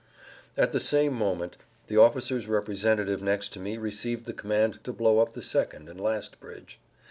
At the same moment the officer's representative next to me received the command to blow up the second and last bridge.